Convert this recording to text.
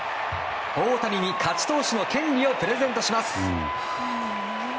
大谷に勝ち投手の権利をプレゼントします。